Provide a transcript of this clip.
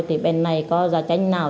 thì bên này có gia tranh nào